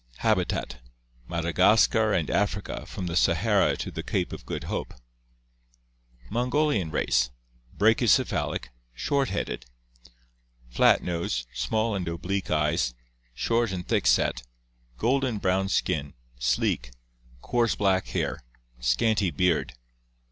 Habitat: Madagascar and Africa from the Sahara to the Cape of Good Hope. •Mongolian race: brachycephalic (short headed), flat nose, small and oblique eyes; short and thick set; golden brown skin, sleek, coarse black hair; scanty beard.